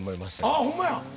あホンマや。